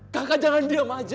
kakak jangan diam aja